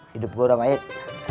hidup gue udah baik